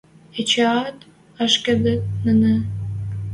Эчеӓт ашкедӹт нӹнӹ